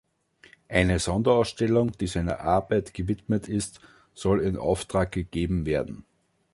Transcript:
Eine Sonderausstellung, die seiner Arbeit gewidmet ist, soll in Auftrag gegeben werden.